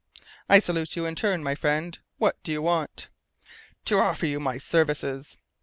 "I salute you in my turn, my friend. What do you want?" "To offer you my services."